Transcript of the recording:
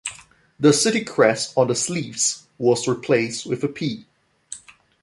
The city crest on the sleeves was replaced with a "P".